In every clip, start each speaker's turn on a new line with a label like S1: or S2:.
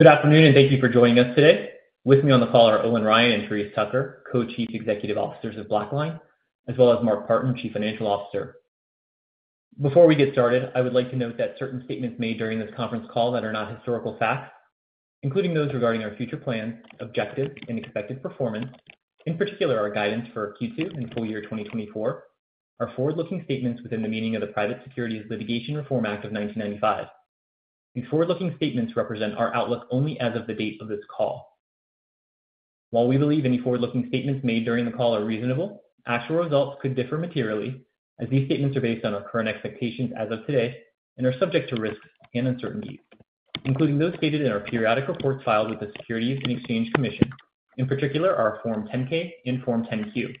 S1: Good afternoon, and thank you for joining us today. With me on the call are Owen Ryan and Therese Tucker, Co-Chief Executive Officers of BlackLine, as well as Mark Partin, Chief Financial Officer. Before we get started, I would like to note that certain statements made during this conference call that are not historical facts, including those regarding our future plans, objectives, and expected performance, in particular, our guidance for Q2 and full year 2024, are forward-looking statements within the meaning of the Private Securities Litigation Reform Act of 1995. These forward-looking statements represent our outlook only as of the date of this call. While we believe any forward-looking statements made during the call are reasonable, actual results could differ materially as these statements are based on our current expectations as of today and are subject to risks and uncertainties, including those stated in our periodic reports filed with the Securities and Exchange Commission, in particular, our Form 10-K and Form 10-Q.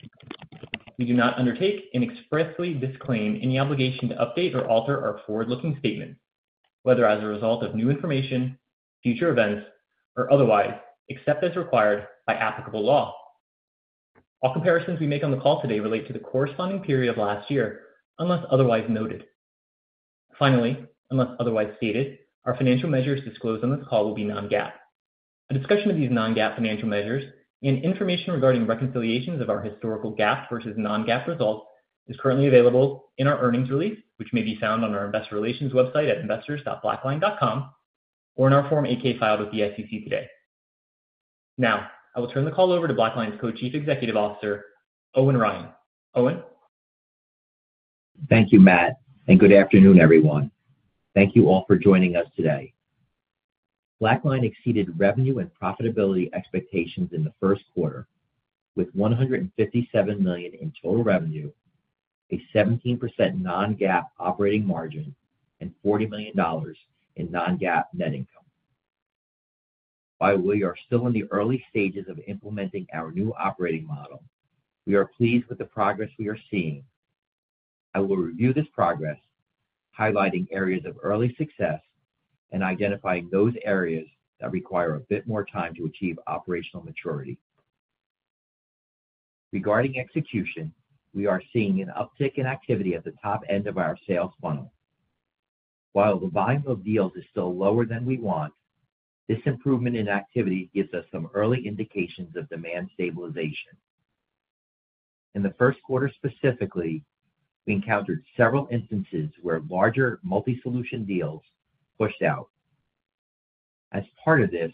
S1: We do not undertake and expressly disclaim any obligation to update or alter our forward-looking statements, whether as a result of new information, future events, or otherwise, except as required by applicable law. All comparisons we make on the call today relate to the corresponding period of last year, unless otherwise noted. Finally, unless otherwise stated, our financial measures disclosed on this call will be non-GAAP. A discussion of these non-GAAP financial measures and information regarding reconciliations of our historical GAAP versus non-GAAP results is currently available in our earnings release, which may be found on our investor relations website at investors.blackline.com, or in our Form 8-K filed with the SEC today. Now, I will turn the call over to BlackLine's Co-Chief Executive Officer, Owen Ryan. Owen?
S2: Thank you, Matt, and good afternoon, everyone. Thank you all for joining us today. BlackLine exceeded revenue and profitability expectations in the first quarter with $157 million in total revenue, a 17% non-GAAP operating margin, and $40 million in non-GAAP net income. While we are still in the early stages of implementing our new operating model, we are pleased with the progress we are seeing. I will review this progress, highlighting areas of early success and identifying those areas that require a bit more time to achieve operational maturity. Regarding execution, we are seeing an uptick in activity at the top end of our sales funnel. While the volume of deals is still lower than we want, this improvement in activity gives us some early indications of demand stabilization. In the first quarter specifically, we encountered several instances where larger multi-solution deals pushed out. As part of this,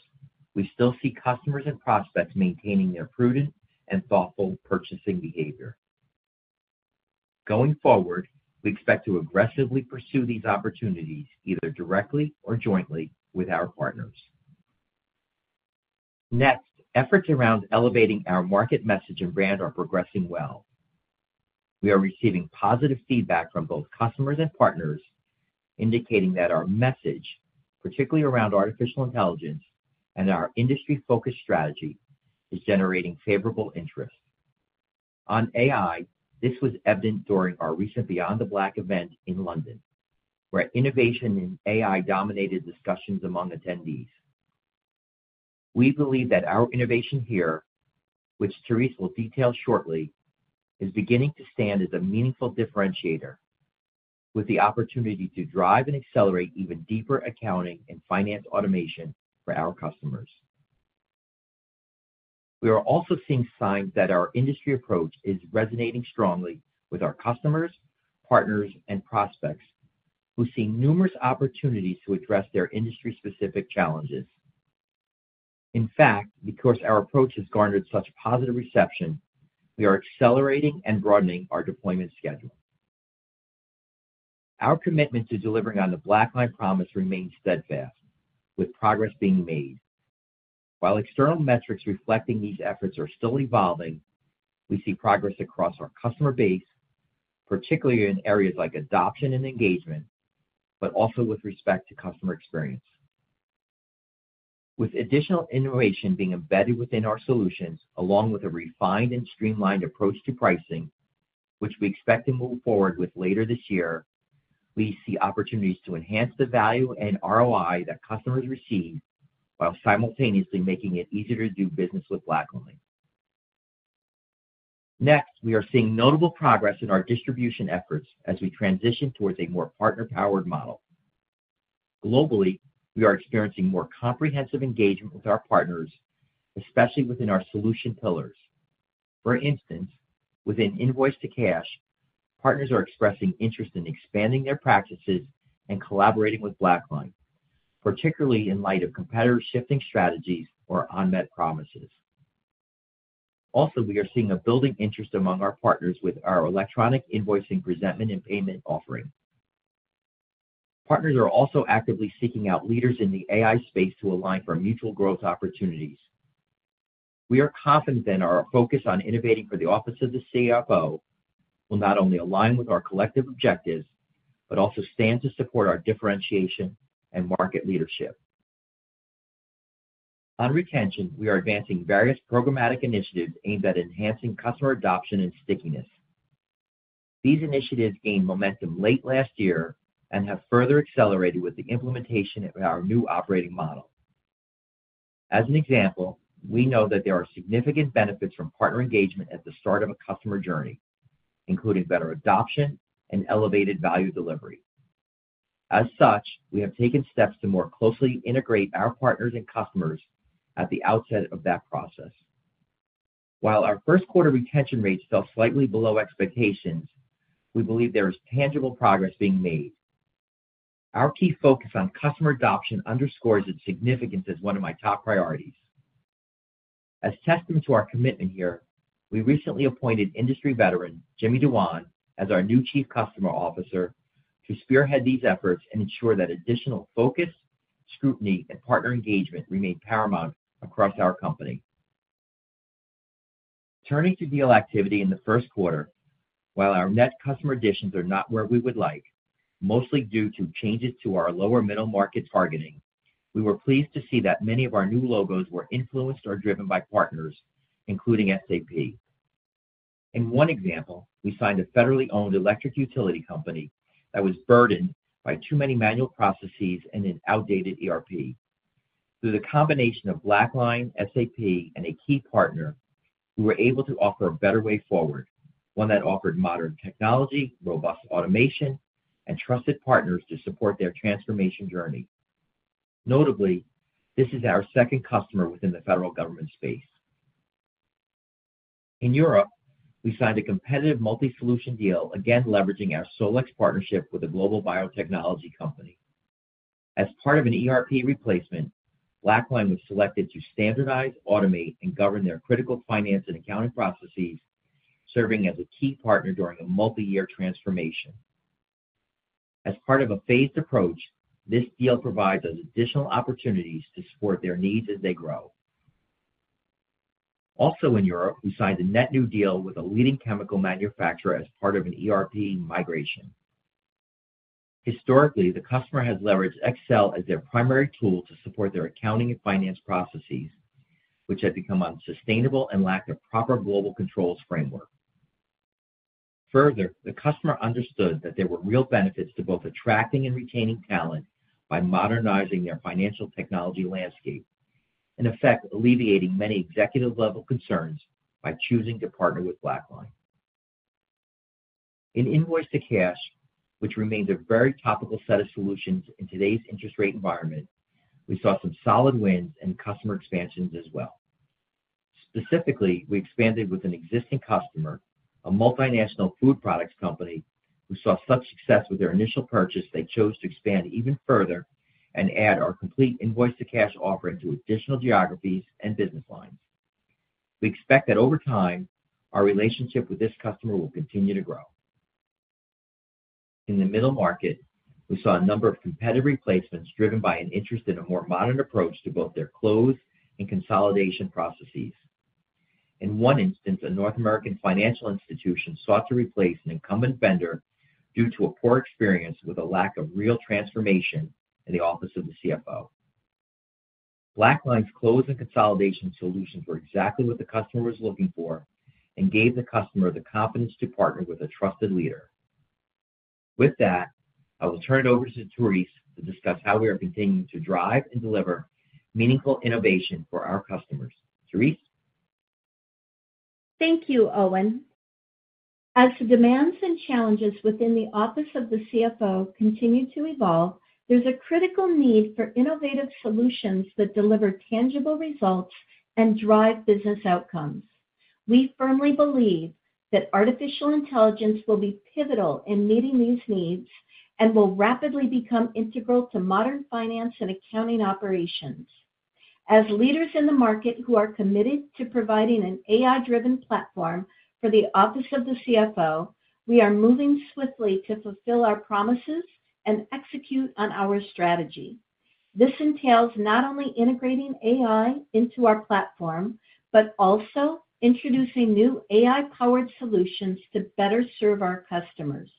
S2: we still see customers and prospects maintaining their prudent and thoughtful purchasing behavior. Going forward, we expect to aggressively pursue these opportunities, either directly or jointly with our partners. Next, efforts around elevating our market message and brand are progressing well. We are receiving positive feedback from both customers and partners, indicating that our message, particularly around artificial intelligence and our industry-focused strategy, is generating favorable interest. On AI, this was evident during our recent Beyond the Black event in London, where innovation in AI dominated discussions among attendees. We believe that our innovation here, which Therese will detail shortly, is beginning to stand as a meaningful differentiator with the opportunity to drive and accelerate even deeper accounting and finance automation for our customers. We are also seeing signs that our industry approach is resonating strongly with our customers, partners, and prospects, who see numerous opportunities to address their industry-specific challenges. In fact, because our approach has garnered such positive reception, we are accelerating and broadening our deployment schedule. Our commitment to delivering on the BlackLine promise remains steadfast, with progress being made. While external metrics reflecting these efforts are still evolving, we see progress across our customer base, particularly in areas like adoption and engagement, but also with respect to customer experience. With additional innovation being embedded within our solutions, along with a refined and streamlined approach to pricing, which we expect to move forward with later this year, we see opportunities to enhance the value and ROI that customers receive, while simultaneously making it easier to do business with BlackLine. Next, we are seeing notable progress in our distribution efforts as we transition towards a more partner-powered model. Globally, we are experiencing more comprehensive engagement with our partners, especially within our solution pillars. For instance, within Invoice-to-Cash, partners are expressing interest in expanding their practices and collaborating with BlackLine, particularly in light of competitor shifting strategies or unmet promises. Also, we are seeing a building interest among our partners with our electronic invoicing, presentment, and payment offering. Partners are also actively seeking out leaders in the AI space to align for mutual growth opportunities. We are confident that our focus on innovating for the office of the CFO will not only align with our collective objectives, but also stand to support our differentiation and market leadership. On retention, we are advancing various programmatic initiatives aimed at enhancing customer adoption and stickiness. These initiatives gained momentum late last year and have further accelerated with the implementation of our new operating model. As an example, we know that there are significant benefits from partner engagement at the start of a customer journey... including better adoption and elevated value delivery. As such, we have taken steps to more closely integrate our partners and customers at the outset of that process. While our first quarter retention rates fell slightly below expectations, we believe there is tangible progress being made. Our key focus on customer adoption underscores its significance as one of my top priorities. As testament to our commitment here, we recently appointed industry veteran Jimmy Duan as our new Chief Customer Officer, to spearhead these efforts and ensure that additional focus, scrutiny, and partner engagement remain paramount across our company. Turning to deal activity in the first quarter, while our net customer additions are not where we would like, mostly due to changes to our lower middle market targeting, we were pleased to see that many of our new logos were influenced or driven by partners, including SAP. In one example, we signed a federally owned electric utility company that was burdened by too many manual processes and an outdated ERP. Through the combination of BlackLine, SAP, and a key partner, we were able to offer a better way forward, one that offered modern technology, robust automation, and trusted partners to support their transformation journey. Notably, this is our second customer within the federal government space. In Europe, we signed a competitive multi-solution deal, again, leveraging our SolEx partnership with a global biotechnology company. As part of an ERP replacement, BlackLine was selected to standardize, automate, and govern their critical finance and accounting processes, serving as a key partner during a multi-year transformation. As part of a phased approach, this deal provides us additional opportunities to support their needs as they grow. Also in Europe, we signed a net new deal with a leading chemical manufacturer as part of an ERP migration. Historically, the customer has leveraged Excel as their primary tool to support their accounting and finance processes, which had become unsustainable and lacked a proper global controls framework. Further, the customer understood that there were real benefits to both attracting and retaining talent by modernizing their financial technology landscape, in effect, alleviating many executive-level concerns by choosing to partner with BlackLine. In Invoice-to-Cash, which remains a very topical set of solutions in today's interest rate environment, we saw some solid wins and customer expansions as well. Specifically, we expanded with an existing customer, a multinational food products company, who saw such success with their initial purchase. They chose to expand even further and add our complete Invoice-to-Cash offering to additional geographies and business lines. We expect that over time, our relationship with this customer will continue to grow. In the middle market, we saw a number of competitive replacements, driven by an interest in a more modern approach to both their close and consolidation processes. In one instance, a North American financial institution sought to replace an incumbent vendor due to a poor experience with a lack of real transformation in the office of the CFO. BlackLine's close and consolidation solutions were exactly what the customer was looking for and gave the customer the confidence to partner with a trusted leader. With that, I will turn it over to Therese to discuss how we are continuing to drive and deliver meaningful innovation for our customers. Therese?
S3: Thank you, Owen. As the demands and challenges within the office of the CFO continue to evolve, there's a critical need for innovative solutions that deliver tangible results and drive business outcomes. We firmly believe that artificial intelligence will be pivotal in meeting these needs and will rapidly become integral to modern finance and accounting operations. As leaders in the market who are committed to providing an AI-driven platform for the office of the CFO, we are moving swiftly to fulfill our promises and execute on our strategy. This entails not only integrating AI into our platform, but also introducing new AI-powered solutions to better serve our customers.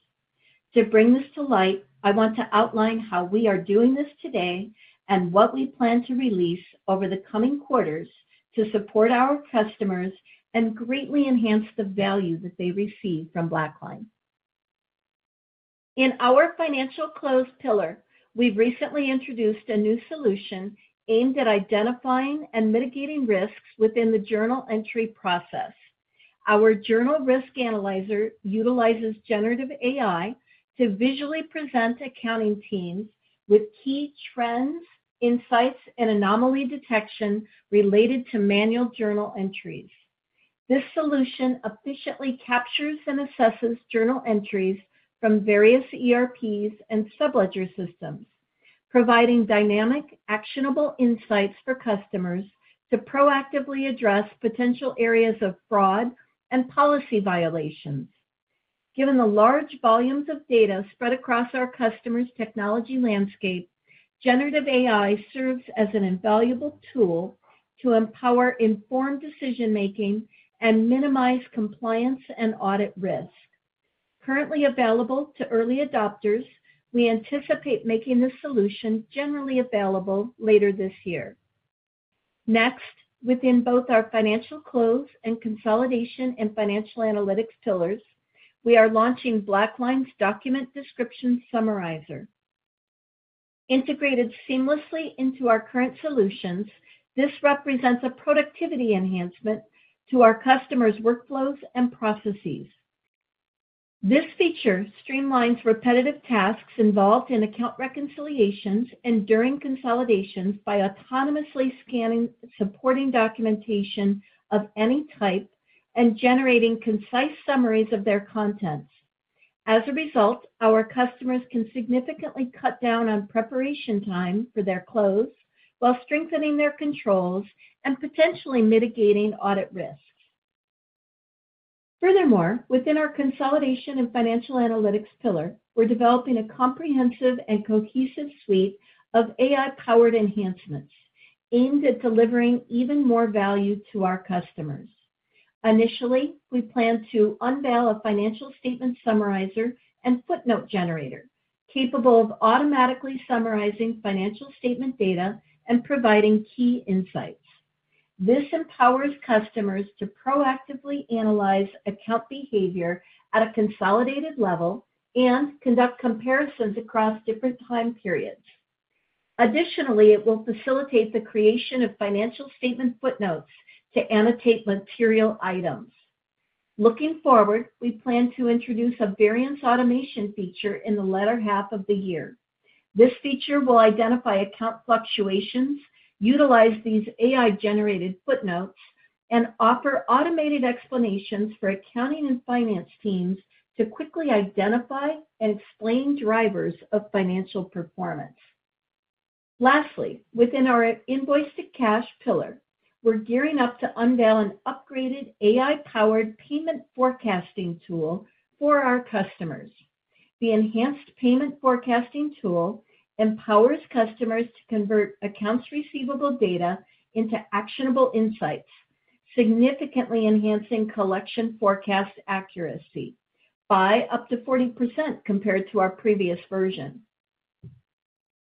S3: To bring this to light, I want to outline how we are doing this today and what we plan to release over the coming quarters to support our customers and greatly enhance the value that they receive from BlackLine. In our financial close pillar, we've recently introduced a new solution aimed at identifying and mitigating risks within the journal entry process. Our Journal Risk Analyzer utilizes generative AI to visually present accounting teams with key trends, insights, and anomaly detection related to manual journal entries. This solution efficiently captures and assesses journal entries from various ERPs and sub-ledger systems, providing dynamic, actionable insights for customers to proactively address potential areas of fraud and policy violations. Given the large volumes of data spread across our customers' technology landscape, generative AI serves as an invaluable tool to empower informed decision-making and minimize compliance and audit risk. Currently available to early adopters, we anticipate making this solution generally available later this year. Next, within both our financial close and consolidation and financial analytics pillars, we are launching BlackLine's Document Description Summarizer.... integrated seamlessly into our current solutions, this represents a productivity enhancement to our customers' workflows and processes. This feature streamlines repetitive tasks involved in account reconciliations and during consolidations by autonomously scanning supporting documentation of any type, and generating concise summaries of their contents. As a result, our customers can significantly cut down on preparation time for their close, while strengthening their controls and potentially mitigating audit risks. Furthermore, within our consolidation and financial analytics pillar, we're developing a comprehensive and cohesive suite of AI-powered enhancements aimed at delivering even more value to our customers. Initially, we plan to unveil a Financial Statement Summarizer and Footnote Generator, capable of automatically summarizing financial statement data and providing key insights. This empowers customers to proactively analyze account behavior at a consolidated level and conduct comparisons across different time periods. Additionally, it will facilitate the creation of financial statement footnotes to annotate material items. Looking forward, we plan to introduce a variance automation feature in the latter half of the year. This feature will identify account fluctuations, utilize these AI-generated footnotes, and offer automated explanations for accounting and finance teams to quickly identify and explain drivers of financial performance. Lastly, within our Invoice-to-Cash pillar, we're gearing up to unveil an upgraded AI-powered payment forecasting tool for our customers. The enhanced payment forecasting tool empowers customers to convert accounts receivable data into actionable insights, significantly enhancing collection forecast accuracy by up to 40% compared to our previous version.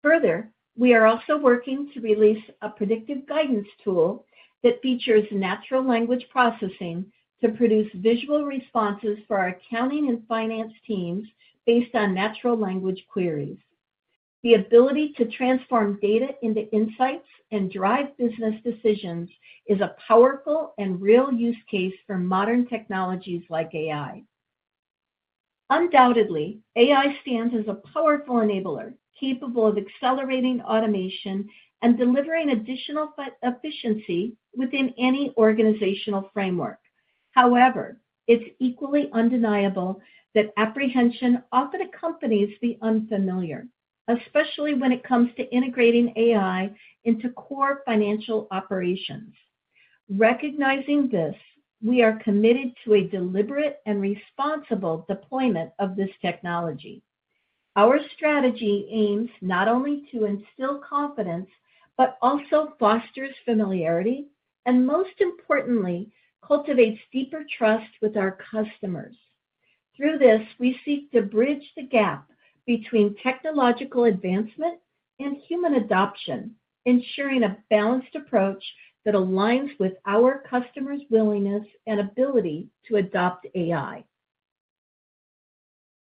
S3: Further, we are also working to release a predictive guidance tool that features natural language processing to produce visual responses for our accounting and finance teams based on natural language queries. The ability to transform data into insights and drive business decisions is a powerful and real use case for modern technologies like AI. Undoubtedly, AI stands as a powerful enabler, capable of accelerating automation and delivering additional efficiency within any organizational framework. However, it's equally undeniable that apprehension often accompanies the unfamiliar, especially when it comes to integrating AI into core financial operations. Recognizing this, we are committed to a deliberate and responsible deployment of this technology. Our strategy aims not only to instill confidence, but also fosters familiarity, and most importantly, cultivates deeper trust with our customers. Through this, we seek to bridge the gap between technological advancement and human adoption, ensuring a balanced approach that aligns with our customers' willingness and ability to adopt AI.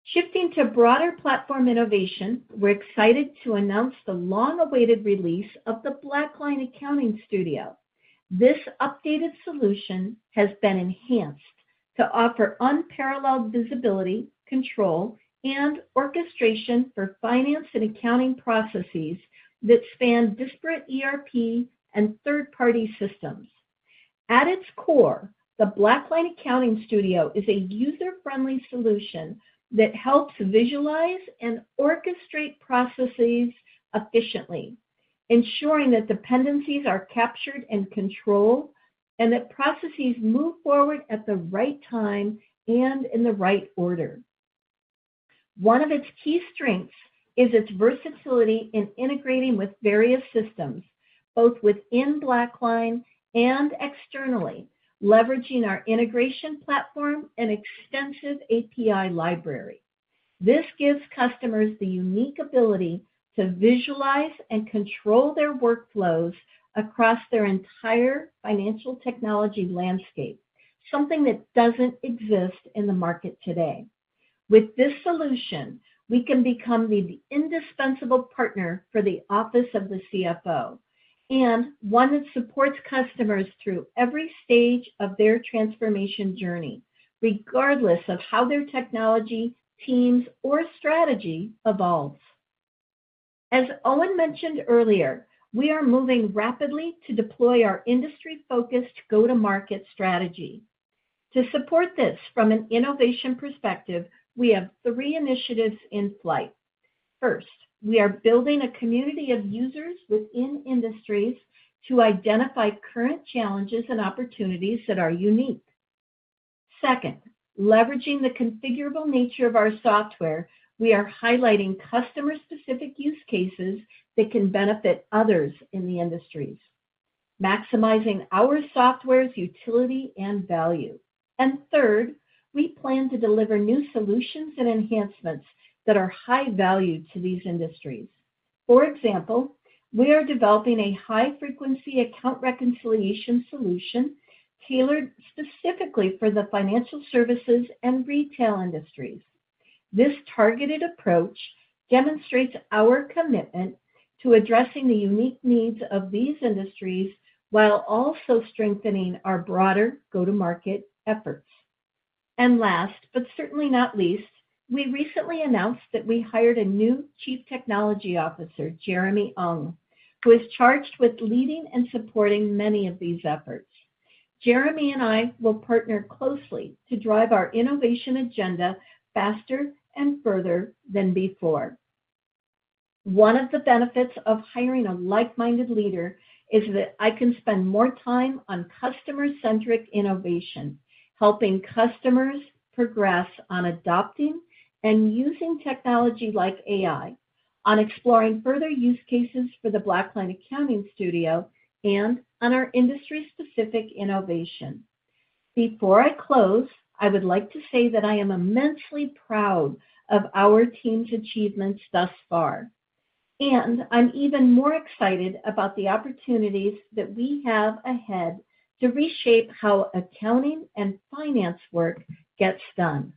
S3: Shifting to broader platform innovation, we're excited to announce the long-awaited release of the BlackLine Accounting Studio. This updated solution has been enhanced to offer unparalleled visibility, control, and orchestration for finance and accounting processes that span disparate ERP and third-party systems. At its core, the BlackLine Accounting Studio is a user-friendly solution that helps visualize and orchestrate processes efficiently, ensuring that dependencies are captured and controlled, and that processes move forward at the right time and in the right order. One of its key strengths is its versatility in integrating with various systems, both within BlackLine and externally, leveraging our integration platform and extensive API library. This gives customers the unique ability to visualize and control their workflows across their entire financial technology landscape, something that doesn't exist in the market today. With this solution, we can become the indispensable partner for the office of the CFO, and one that supports customers through every stage of their transformation journey, regardless of how their technology, teams, or strategy evolves. As Owen mentioned earlier, we are moving rapidly to deploy our industry-focused go-to-market strategy. To support this from an innovation perspective, we have three initiatives in flight. First, we are building a community of users within industries to identify current challenges and opportunities that are unique. Second, leveraging the configurable nature of our software, we are highlighting customer-specific use cases that can benefit others in the industries, maximizing our software's utility and value. And third, we plan to deliver new solutions and enhancements that are high value to these industries. For example, we are developing a high-frequency account reconciliation solution tailored specifically for the financial services and retail industries. This targeted approach demonstrates our commitment to addressing the unique needs of these industries, while also strengthening our broader go-to-market efforts. And last, but certainly not least, we recently announced that we hired a new chief technology officer, Jeremy Ung, who is charged with leading and supporting many of these efforts. Jeremy and I will partner closely to drive our innovation agenda faster and further than before. One of the benefits of hiring a like-minded leader is that I can spend more time on customer-centric innovation, helping customers progress on adopting and using technology like AI, on exploring further use cases for the BlackLine Accounting Studio, and on our industry-specific innovation. Before I close, I would like to say that I am immensely proud of our team's achievements thus far, and I'm even more excited about the opportunities that we have ahead to reshape how accounting and finance work gets done.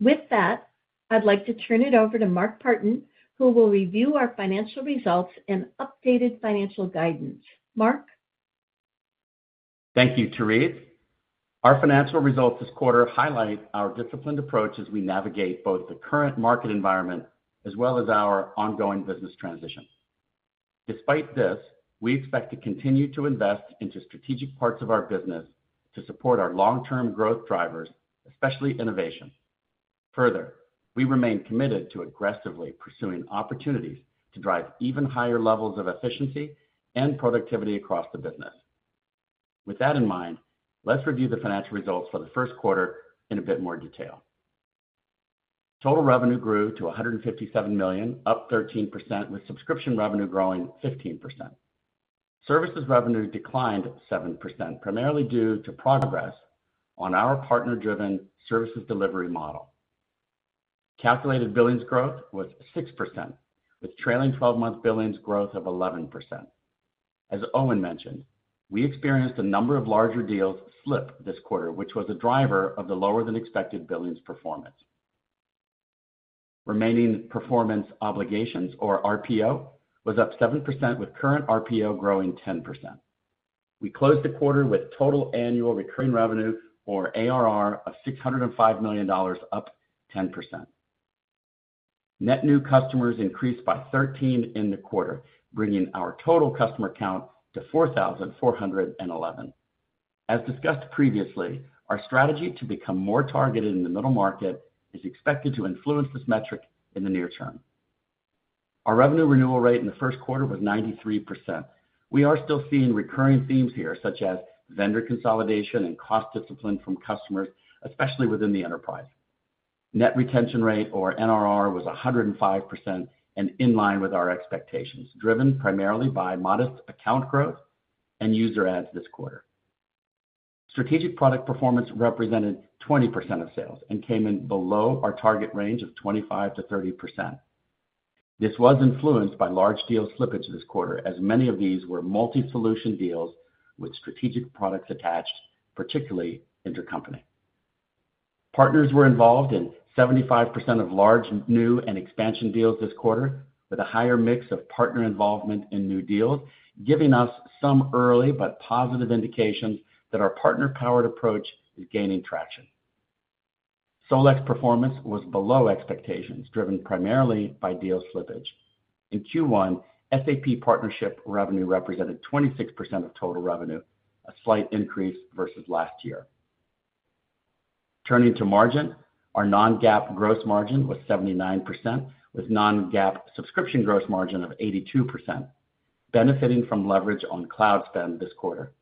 S3: With that, I'd like to turn it over to Mark Partin, who will review our financial results and updated financial guidance. Mark?
S4: Thank you, Therese. Our financial results this quarter highlight our disciplined approach as we navigate both the current market environment as well as our ongoing business transition. Despite this, we expect to continue to invest into strategic parts of our business to support our long-term growth drivers, especially innovation. Further, we remain committed to aggressively pursuing opportunities to drive even higher levels of efficiency and productivity across the business. With that in mind, let's review the financial results for the first quarter in a bit more detail. Total revenue grewe to $157 million, up 13%, with subscription revenue growing 15%. Services revenue declined 7%, primarily due to progress on our partner-driven services delivery model. Calculated billings growth was 6%, with trailing twelve-month billings growth of 11%. As Owen mentioned, we experienced a number of larger deals slip this quarter, which was a driver of the lower than expected billings performance. Remaining performance obligations, or RPO, was up 7%, with current RPO growing 10%. We closed the quarter with total annual recurring revenue, or ARR, of $605 million, up 10%. Net new customers increased by 13 in the quarter, bringing our total customer count to 4,411. As discussed previously, our strategy to become more targeted in the middle market is expected to influence this metric in the near term. Our revenue renewal rate in the first quarter was 93%. We are still seeing recurring themes here, such as vendor consolidation and cost discipline from customers, especially within the enterprise. Net retention rate, or NRR, was 105% and in line with our expectations, driven primarily by modest account growth and user adds this quarter. Strategic product performance represented 20% of sales and came in below our target range of 25%-30%. This was influenced by large deal slippage this quarter, as many of these were multi-solution deals with strategic products attached, particularly intercompany. Partners were involved in 75% of large, new and expansion deals this quarter, with a higher mix of partner involvement in new deals, giving us some early but positive indications that our partner-powered approach is gaining traction. SolEx performance was below expectations, driven primarily by deal slippage. In Q1, SAP partnership revenue represented 26% of total revenue, a slight increase versus last year. Turning to margin, our non-GAAP gross margin was 79%, with non-GAAP subscription gross margin of 82%, benefiting from leverage on cloud spend this quarter.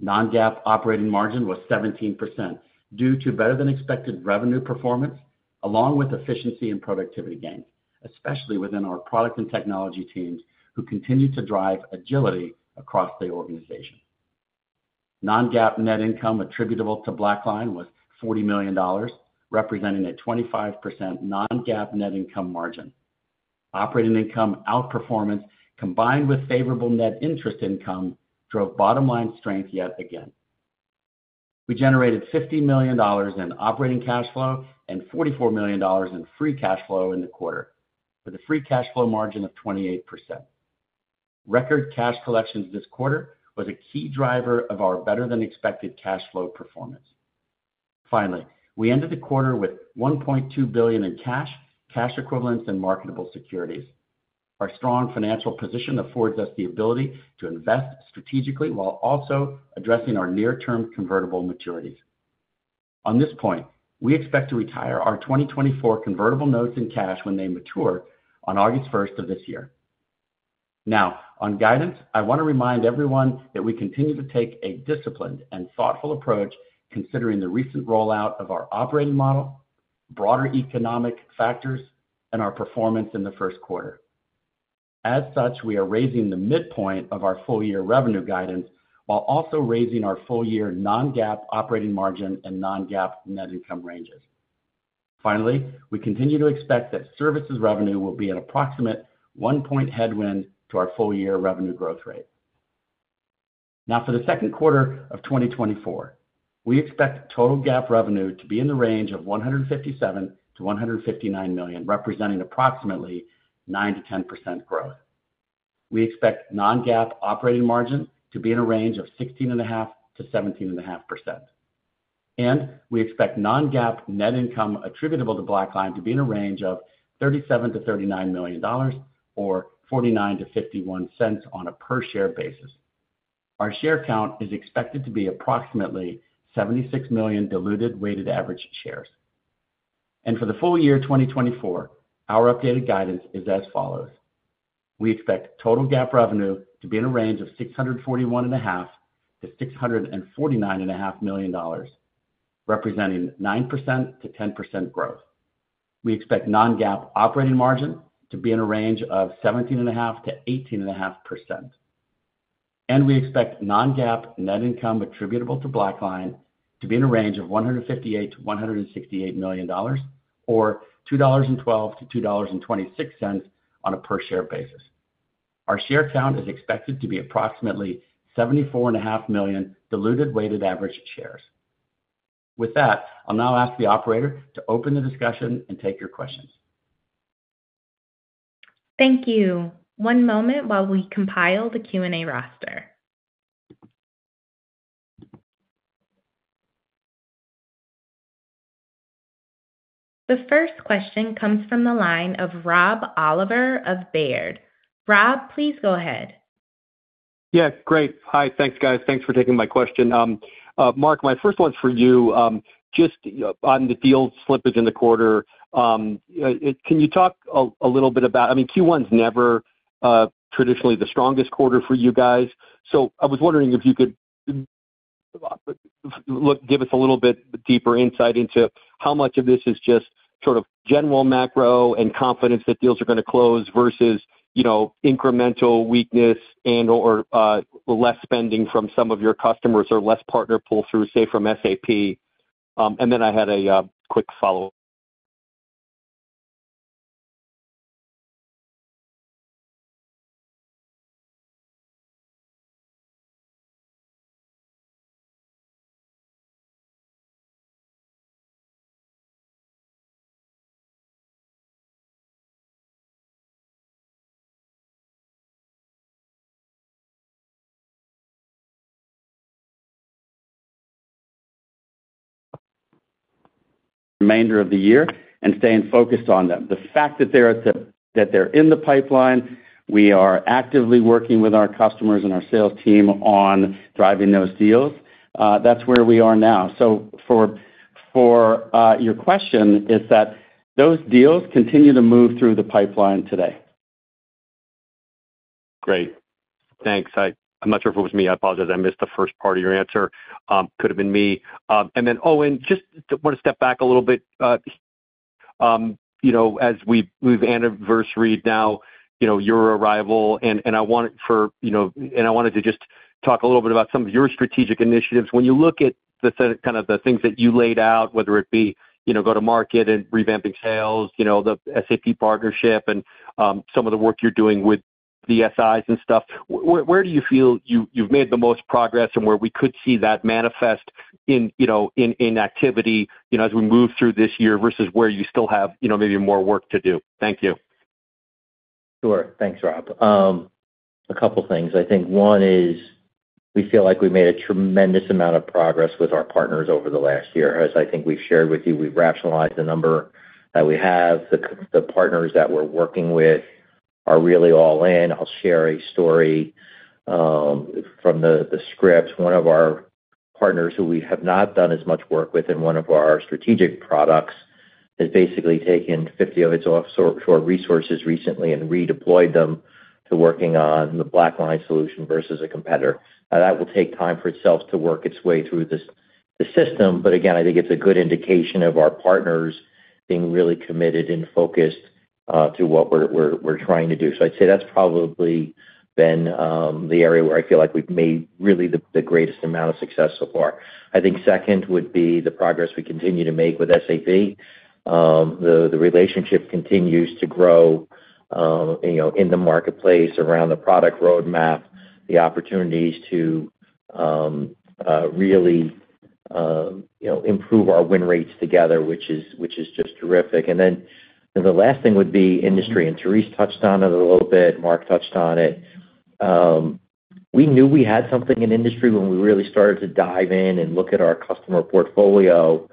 S4: Non-GAAP operating margin was 17% due to better than expected revenue performance, along with efficiency and productivity gains, especially within our product and technology teams, who continue to drive agility across the organization. Non-GAAP net income attributable to BlackLine was $40 million, representing a 25% non-GAAP net income margin. Operating income outperformance, combined with favorable net interest income, drove BlackLine strength yet again. We generated $50 million in operating cash flow and $44 million in free cash flow in the quarter, with a free cash flow margin of 28%. Record cash collections this quarter was a key driver of our better-than-expected cash flow performance. Finally, we ended the quarter with $1.2 billion in cash, cash equivalents, and marketable securities. Our strong financial position affords us the ability to invest strategically while also addressing our near-term convertible maturities. On this point, we expect to retire our 2024 convertible notes in cash when they mature on August 1 of this year. Now, on guidance, I want to remind everyone that we continue to take a disciplined and thoughtful approach, considering the recent rollout of our operating model, broader economic factors, and our performance in the first quarter. As such, we are raising the midpoint of our full year revenue guidance while also raising our full-year non-GAAP operating margin and non-GAAP net income ranges. Finally, we continue to expect that services revenue will be an approximate 1-point headwind to our full year revenue growth rate. Now, for the second quarter of 2024, we expect total GAAP revenue to be in the range of $157 million-$159 million, representing approximately 9%-10% growth. We expect non-GAAP operating margin to be in a range of 16.5%-17.5%, and we expect non-GAAP net income attributable to BlackLine to be in a range of $37 million-$39 million or $0.49-$0.51 on a per share basis. Our share count is expected to be approximately 76 million diluted weighted average shares. For the full year 2024, our updated guidance is as follows: We expect total GAAP revenue to be in a range of $641.5 million-$649.5 million, representing 9%-10% growth. We expect non-GAAP operating margin to be in a range of 17.5%-18.5%. We expect non-GAAP net income attributable to BlackLine to be in a range of $158 million-$168 million, or $2.12-$2.26 on a per share basis. Our share count is expected to be approximately 74.5 million diluted weighted average shares. With that, I'll now ask the operator to open the discussion and take your questions.
S5: Thank you. One moment while we compile the Q&A roster. The first question comes from the line of Rob Oliver of Baird. Rob, please go ahead.
S6: Yeah, great. Hi. Thanks, guys. Thanks for taking my question. Mark, my first one's for you. Just on the deal slippage in the quarter, can you talk a little bit about... I mean, Q1's never traditionally the strongest quarter for you guys, so I was wondering if you could give us a little bit deeper insight into how much of this is just sort of general macro and confidence that deals are going to close versus, you know, incremental weakness and/or less spending from some of your customers, or less partner pull-through, say, from SAP. And then I had a quick follow-up.
S4: Remainder of the year and staying focused on them. The fact that they're in the pipeline, we are actively working with our customers and our sales team on driving those deals, that's where we are now. So, for your question, is that those deals continue to move through the pipeline today.
S6: Great. Thanks. I, I'm not sure if it was me. I apologize. I missed the first part of your answer. Could have been me. And then, Owen, just want to step back a little bit. You know, as we've anniversaried now, you know, your arrival, and, and I want for, you know, and I wanted to just talk a little bit about some of your strategic initiatives. When you look at the kind of the things that you laid out, whether it be, you know, go-to-market and revamping sales, you know, the SAP partnership and, some of the work you're doing with the SIs and stuff, where, where do you feel you, you've made the most progress and where we could see that manifest in, you know, in, in activity, you know, as we move through this year versus where you still have, you know, maybe more work to do? Thank you.
S2: Sure. Thanks, Rob. A couple things. I think one is, we feel like we made a tremendous amount of progress with our partners over the last year. As I think we've shared with you, we've rationalized the number that we have. The partners that we're working with are really all in. I'll share a story from the script. One of our partners, who we have not done as much work with in one of our strategic products, has basically taken 50 of its offshore resources recently and redeployed them to working on the BlackLine solution versus a competitor. Now, that will take time for itself to work its way through the system, but again, I think it's a good indication of our partners being really committed and focused to what we're trying to do. So I'd say that's probably been the area where I feel like we've made really the greatest amount of success so far. I think second would be the progress we continue to make with SAP. The relationship continues to grow, you know, in the marketplace, around the product roadmap, the opportunities to really, you know, improve our win rates together, which is just terrific. And then the last thing would be industry, and Therese touched on it a little bit, Mark touched on it. We knew we had something in industry when we really started to dive in and look at our customer portfolio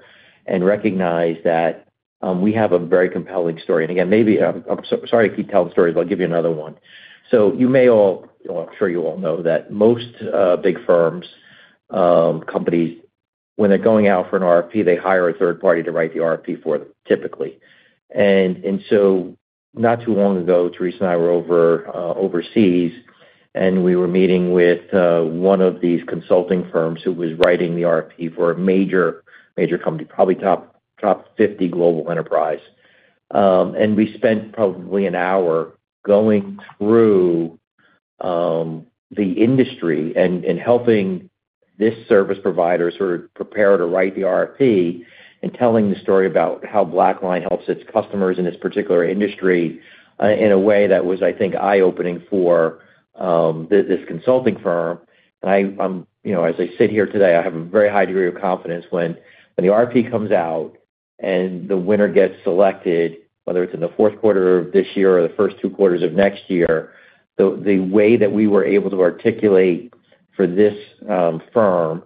S2: and recognize that we have a very compelling story. And again, maybe I'm so sorry to keep telling stories, but I'll give you another one. So you may all... Well, I'm sure you all know that most big firms, companies, when they're going out for an RFP, they hire a third party to write the RFP for them, typically. And so not too long ago, Therese and I were over overseas, and we were meeting with one of these consulting firms who was writing the RFP for a major company, probably top 50 global enterprise. And we spent probably an hour going through the industry and helping this service provider sort of prepare to write the RFP and telling the story about how BlackLine helps its customers in this particular industry in a way that was, I think, eye-opening for this consulting firm. I, you know, as I sit here today, I have a very high degree of confidence when the RFP comes out and the winner gets selected, whether it's in the fourth quarter of this year or the first two quarters of next year, the way that we were able to articulate for this firm,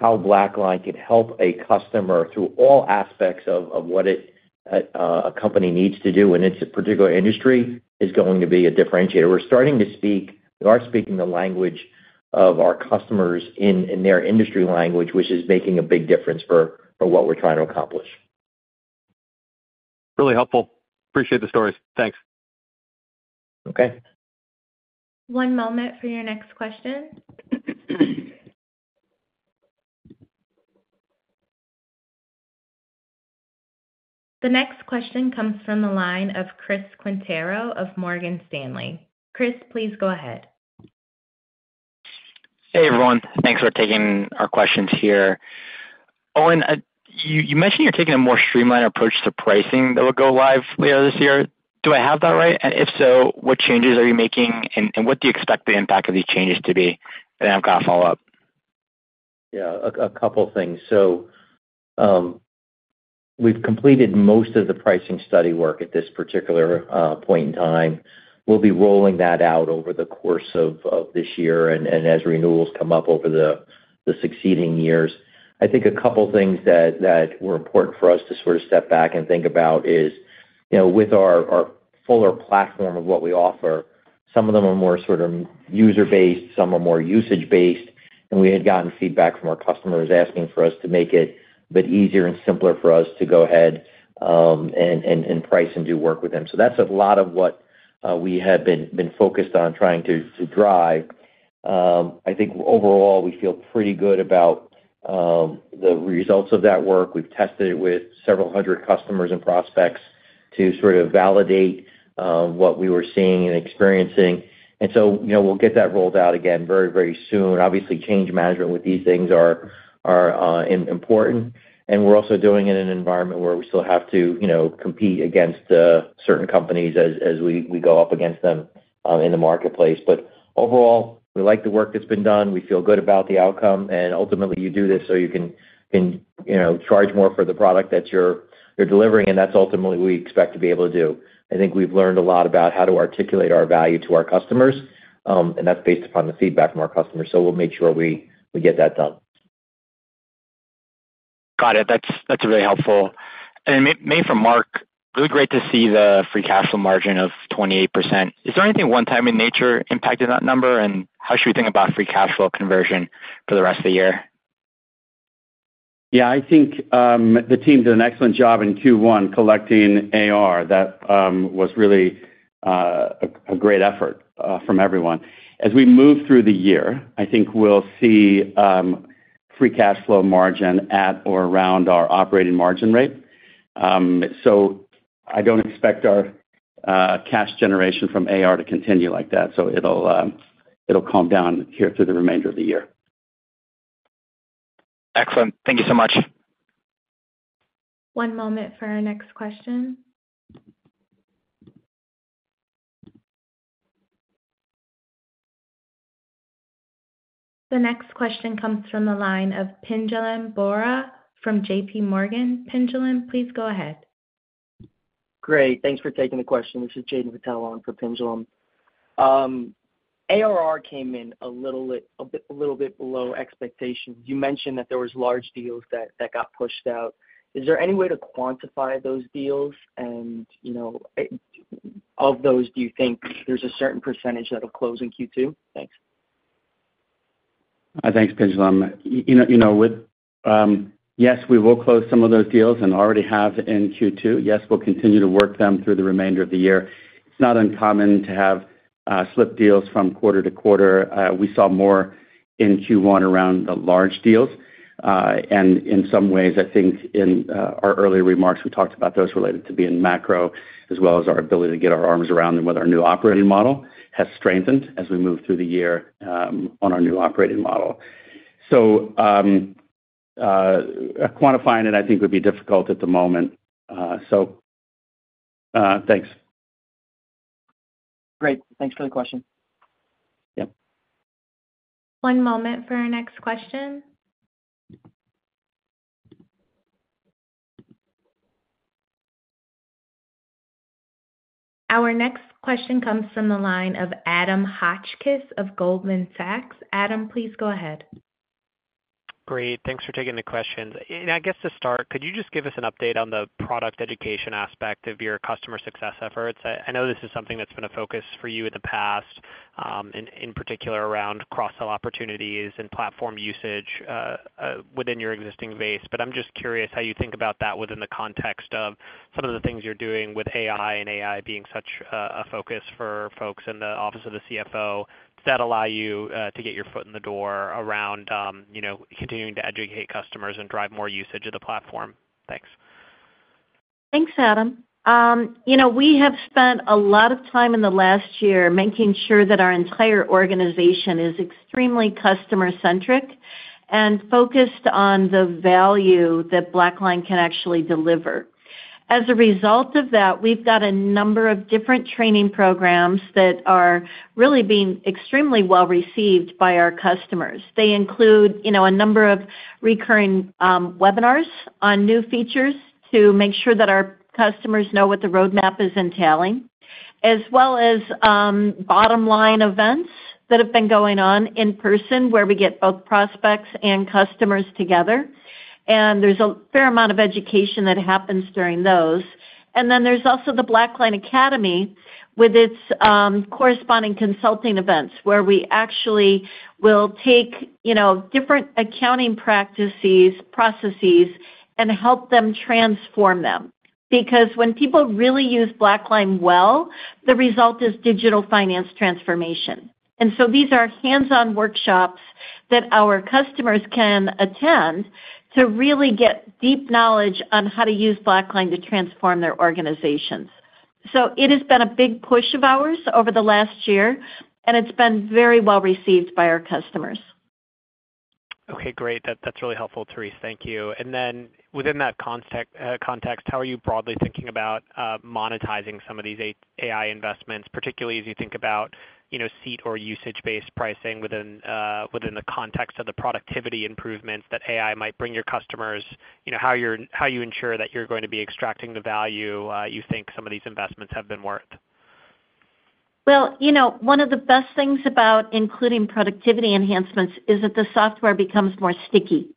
S2: how BlackLine can help a customer through all aspects of what it, a company needs to do in its particular industry, is going to be a differentiator. We are speaking the language of our customers in their industry language, which is making a big difference for what we're trying to accomplish.
S6: Really helpful. Appreciate the stories. Thanks.
S2: Okay.
S5: One moment for your next question. The next question comes from the line of Chris Quintero of Morgan Stanley. Chris, please go ahead.
S7: Hey, everyone. Thanks for taking our questions here. Owen, you mentioned you're taking a more streamlined approach to pricing that will go live later this year. Do I have that right? And if so, what changes are you making, and what do you expect the impact of these changes to be? And I've got a follow-up.
S2: Yeah, a couple things. So, we've completed most of the pricing study work at this particular point in time. We'll be rolling that out over the course of this year and as renewals come up over the succeeding years. I think a couple things that were important for us to sort of step back and think about is, you know, with our fuller platform of what we offer, some of them are more sort of user-based, some are more usage-based, and we had gotten feedback from our customers asking for us to make it a bit easier and simpler for us to go ahead, and price and do work with them. So that's a lot of what we have been focused on trying to drive. I think overall, we feel pretty good about the results of that work. We've tested it with several hundred customers and prospects to sort of validate what we were seeing and experiencing. So, you know, we'll get that rolled out again very, very soon. Obviously, change management with these things are important, and we're also doing it in an environment where we still have to, you know, compete against certain companies as we go up against them in the marketplace. Overall, we like the work that's been done. We feel good about the outcome, and ultimately, you do this so you can charge more for the product that you're delivering, and that's ultimately what we expect to be able to do. I think we've learned a lot about how to articulate our value to our customers, and that's based upon the feedback from our customers, so we'll make sure we get that done.
S7: Got it. That's really helpful. And maybe for Mark, really great to see the free cash flow margin of 28%. Is there anything one-time in nature impacted that number? And how should we think about free cash flow conversion for the rest of the year?
S4: Yeah, I think, the team did an excellent job in Q1 collecting AR. That was really a great effort from everyone. As we move through the year, I think we'll see free cash flow margin at or around our operating margin rate. So I don't expect our cash generation from AR to continue like that, so it'll calm down here through the remainder of the year.
S7: Excellent. Thank you so much.
S5: One moment for our next question. The next question comes from the line of Pinjalim Bora from J.P. Morgan. Pinjalim, please go ahead.
S8: Great. Thanks for taking the question. This is Jaden Patel on for Pinjalim. ARR came in a little bit below expectations. You mentioned that there was large deals that got pushed out. Is there any way to quantify those deals? And, you know, of those, do you think there's a certain percentage that'll close in Q2? Thanks.
S4: Thanks, Pinjalim. You know, you know, with yes, we will close some of those deals, and already have in Q2. Yes, we'll continue to work them through the remainder of the year. It's not uncommon to have slip deals from quarter to quarter. We saw more in Q1 around the large deals. And in some ways, I think in our earlier remarks, we talked about those related to being macro, as well as our ability to get our arms around them with our new operating model has strengthened as we move through the year, on our new operating model. So, quantifying it, I think, would be difficult at the moment. So, thanks. Great. Thanks for the question. Yep.
S5: One moment for our next question. Our next question comes from the line of Adam Hotchkiss of Goldman Sachs. Adam, please go ahead.
S9: Great, thanks for taking the questions. And I guess to start, could you just give us an update on the product education aspect of your customer success efforts? I know this is something that's been a focus for you in the past, in particular around cross-sell opportunities and platform usage, within your existing base. But I'm just curious how you think about that within the context of some of the things you're doing with AI, and AI being such a focus for folks in the office of the CFO, does that allow you to get your foot in the door around, you know, continuing to educate customers and drive more usage of the platform? Thanks....
S3: Thanks, Adam. You know, we have spent a lot of time in the last year making sure that our entire organization is extremely customer-centric and focused on the value that BlackLine can actually deliver. As a result of that, we've got a number of different training programs that are really being extremely well received by our customers. They include, you know, a number of recurring webinars on new features to make sure that our customers know what the roadmap is entailing, as well as BlackLine events that have been going on in person, where we get both prospects and customers together, and there's a fair amount of education that happens during those. And then there's also the BlackLine Academy, with its corresponding consulting events, where we actually will take, you know, different accounting practices, processes and help them transform them. Because when people really use BlackLine well, the result is digital finance transformation. And so these are hands-on workshops that our customers can attend to really get deep knowledge on how to use BlackLine to transform their organizations. So it has been a big push of ours over the last year, and it's been very well received by our customers.
S9: Okay, great. That's really helpful, Therese, thank you. And then within that context, how are you broadly thinking about monetizing some of these AI investments, particularly as you think about, you know, seat or usage-based pricing within the context of the productivity improvements that AI might bring your customers? You know, how you ensure that you're going to be extracting the value you think some of these investments have been worth?
S3: Well, you know, one of the best things about including productivity enhancements is that the software becomes more sticky.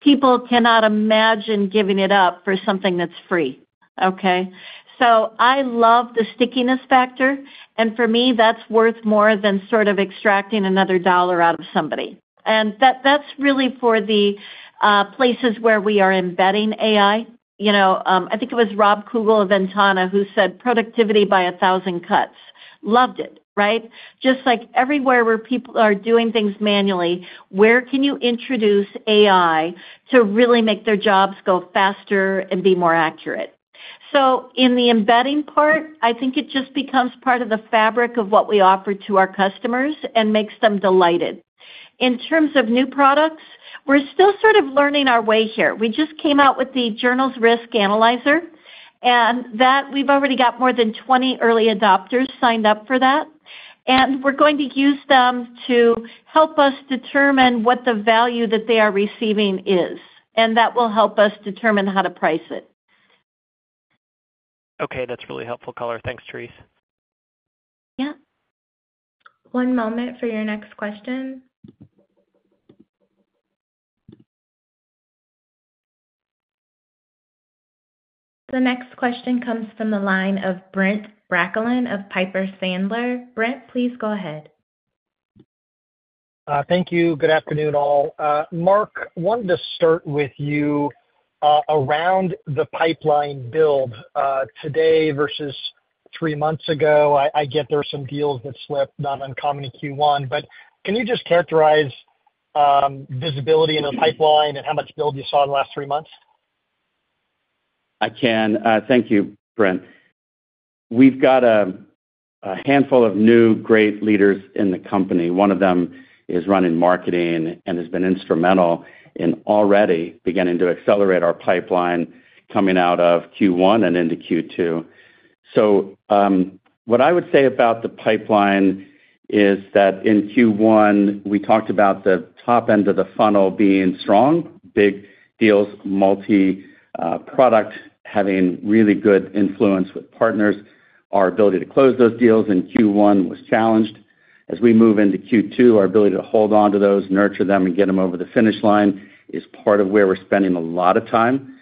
S3: People cannot imagine giving it up for something that's free, okay? So I love the stickiness factor, and for me, that's worth more than sort of extracting another dollar out of somebody. And that, that's really for the places where we are embedding AI. You know, I think it was Rob Kugel of Ventana, who said, "Productivity by a thousand cuts." Loved it, right? Just like everywhere where people are doing things manually, where can you introduce AI to really make their jobs go faster and be more accurate? So in the embedding part, I think it just becomes part of the fabric of what we offer to our customers and makes them delighted. In terms of new products, we're still sort of learning our way here. We just came out with the Journal Risk Analyzer, and that we've already got more than 20 early adopters signed up for that. We're going to use them to help us determine what the value that they are receiving is, and that will help us determine how to price it.
S9: Okay, that's a really helpful color. Thanks, Therese.
S5: Yeah. One moment for your next question. The next question comes from the line of Brent Bracelin of Piper Sandler. Brent, please go ahead.
S10: Thank you. Good afternoon, all. Mark, wanted to start with you around the pipeline build today versus three months ago. I get there are some deals that slipped, not uncommon in Q1. But can you just characterize visibility in the pipeline and how much build you saw in the last three months?
S4: I can. Thank you, Brent. We've got a handful of new, great leaders in the company. One of them is running marketing and has been instrumental in already beginning to accelerate our pipeline coming out of Q1 and into Q2. So, what I would say about the pipeline is that in Q1, we talked about the top end of the funnel being strong, big deals, multi-product, having really good influence with partners. Our ability to close those deals in Q1 was challenged. As we move into Q2, our ability to hold on to those, nurture them, and get them over the finish line is part of where we're spending a lot of time.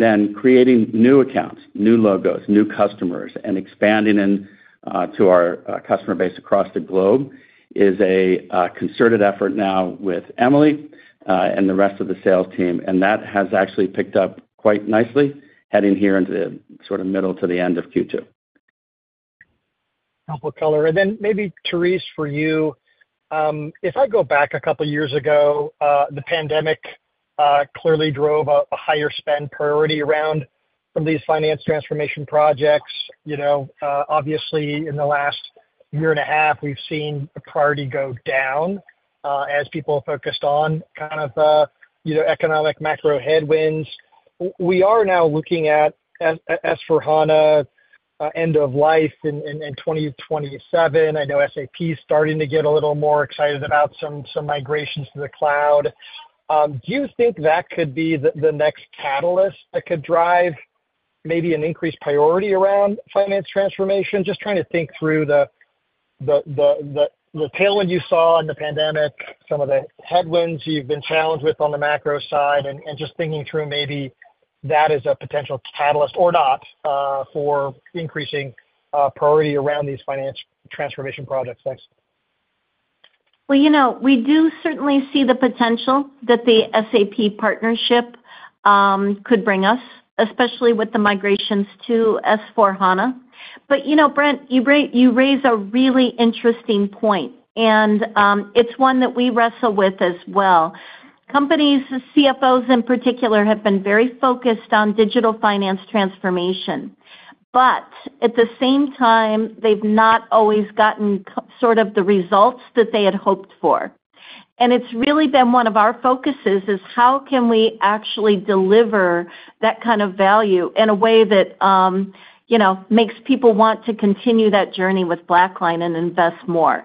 S4: Then creating new accounts, new logos, new customers, and expanding into our customer base across the globe is a concerted effort now with Emily and the rest of the sales team, and that has actually picked up quite nicely, heading here into the sort of middle to the end of Q2.
S10: Helpful color. And then maybe, Therese, for you, if I go back a couple of years ago, the pandemic clearly drove a higher spend priority around some of these finance transformation projects. You know, obviously, in the last year and a half, we've seen the priority go down as people focused on kind of, you know, economic macro headwinds. We are now looking at S/4HANA end of life in 2027. I know SAP is starting to get a little more excited about some migrations to the cloud. Do you think that could be the next catalyst that could drive maybe an increased priority around finance transformation? Just trying to think through the tailwind you saw in the pandemic, some of the headwinds you've been challenged with on the macro side, and just thinking through maybe that as a potential catalyst or not, for increasing priority around these finance transformation projects. Thanks.
S3: Well, you know, we do certainly see the potential that the SAP partnership could bring us, especially with the migrations to S/4HANA... But, you know, Brent, you raise, you raise a really interesting point, and it's one that we wrestle with as well. Companies, CFOs in particular, have been very focused on digital finance transformation. But at the same time, they've not always gotten sort of the results that they had hoped for. And it's really been one of our focuses, is how can we actually deliver that kind of value in a way that, you know, makes people want to continue that journey with BlackLine and invest more?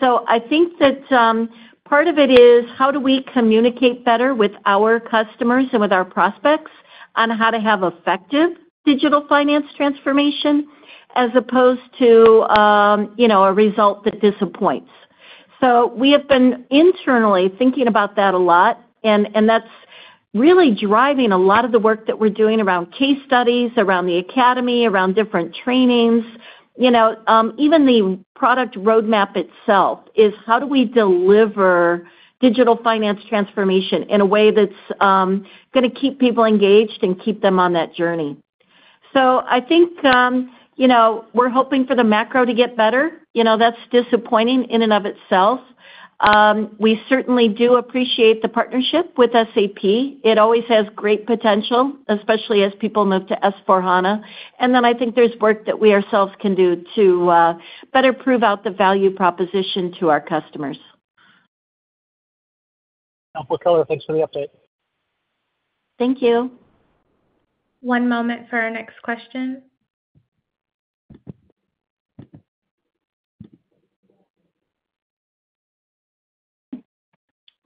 S3: So I think that, part of it is, how do we communicate better with our customers and with our prospects on how to have effective digital finance transformation, as opposed to, you know, a result that disappoints? So we have been internally thinking about that a lot, and that's really driving a lot of the work that we're doing around case studies, around the academy, around different trainings. You know, even the product roadmap itself, is how do we deliver digital finance transformation in a way that's, gonna keep people engaged and keep them on that journey? So I think, you know, we're hoping for the macro to get better. You know, that's disappointing in and of itself. We certainly do appreciate the partnership with SAP. It always has great potential, especially as people move to S/4HANA. And then I think there's work that we ourselves can do to better prove out the value proposition to our customers.
S10: helpful color. Thanks for the update.
S3: Thank you.
S5: One moment for our next question.